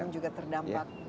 umkm juga terdampak